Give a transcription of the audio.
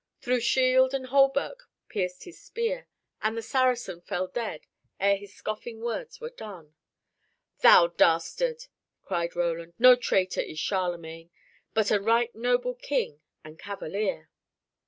Through shield and hauberk pierced his spear, and the Saracen fell dead ere his scoffing words were done. "Thou dastard!" cried Roland, "no traitor is Charlemagne, but a right noble king and cavalier."